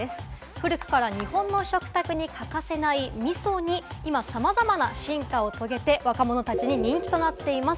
古くから日本の食卓に欠かせない「みそ」に今さまざまな進化を遂げて若者たちに人気となっています。